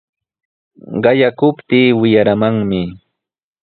Qayakuriptii wiyaramanmi.